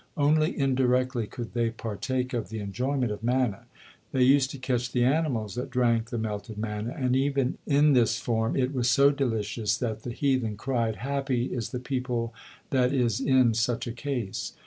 Only indirectly could they partake of the enjoyment of manna: They used to catch the animals that drank the melted manna, and even it this form it was so delicious that the heathen cried, "Happy is the people that is in such a case."